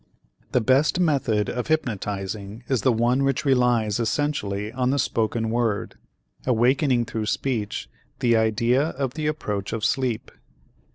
The best method of hypnotizing is the one which relies essentially on the spoken word, awakening through speech the idea of the approach of sleep.